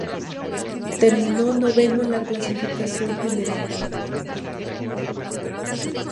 Terminó noveno en la clasificación general.